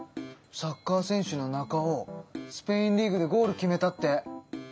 サッカー選手のナカオスペインリーグでゴール決めたって！